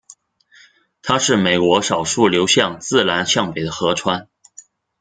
它是美国少数流向自南向北的河川。